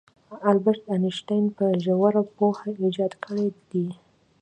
البرت انیشټین په ژوره پوهه ایجاد کړی دی.